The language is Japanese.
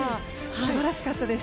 素晴らしかったです。